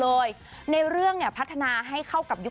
นี่ฉันอยากจะส่งเรื่องที่มันเกิดขึ้นในสังคมทุกวันนี้